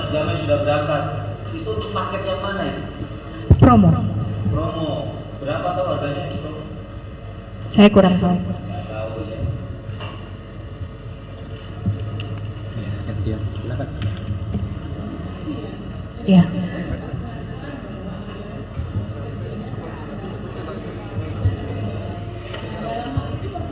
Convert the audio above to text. yang sobara minta kesaksiannya berada di jamaah sudah berangkat itu marketnya mana ya